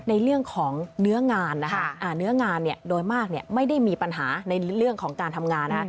ในเรื่องของเนื้องานนะคะเนื้องานโดยมากไม่ได้มีปัญหาในเรื่องของการทำงานนะ